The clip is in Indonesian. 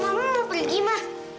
mama mau pergi ma